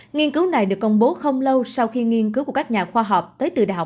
nghiên cứu này được công bố không lâu sau khi nghiên cứu của các nhà khoa học tới từ đại học